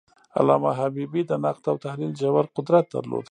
علامه حبیبي د نقد او تحلیل ژور قدرت درلود.